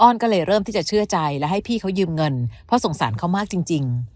อนก็เลยเริ่มที่จะเชื่อใจและให้พี่เขายืมเงินเพราะสงสารเขามากจริง